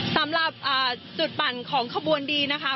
สำหรับจุดปั่นของขบวนดีนะคะ